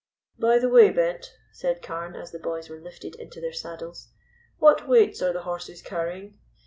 "By the way, Bent," said Carne, as the boys were lifted into their saddles, "what weights are the horses carrying?"